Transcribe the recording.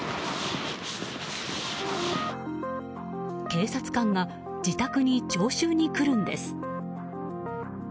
警察官が自宅に徴収に来るんです。